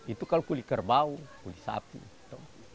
itu kalau kulit kerbau kulit sapi tuh